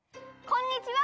こんにちは！